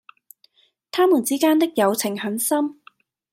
他們之間的友情很深。